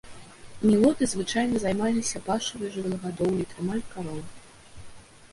Нілоты звычайна займаліся пашавай жывёлагадоўляй, трымалі кароў.